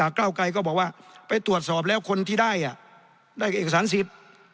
ก้าวไกรก็บอกว่าไปตรวจสอบแล้วคนที่ได้ได้เอกสารสิทธิ์